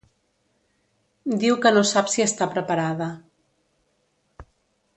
Diu que no sap si està preparada.